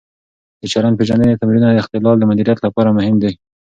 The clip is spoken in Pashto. د چلند-پېژندنې تمرینونه د اختلال د مدیریت لپاره مهم دي.